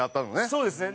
そうですね。